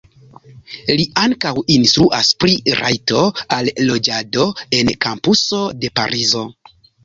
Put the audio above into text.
Li ankaŭ instruas pri rajto al loĝado en la kampuso de Parizo.